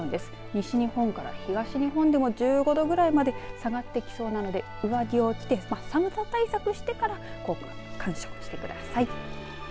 西日本から東日本でも１５度ぐらいまで下がってきそうなので上着を着て寒さ対策してから今夜鑑賞してください。